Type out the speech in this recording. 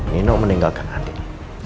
nino meninggalkan adik